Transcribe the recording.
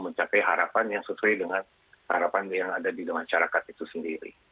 tapi kita bisa mencapai harapan yang sesuai dengan harapan yang ada di dalam masyarakat itu sendiri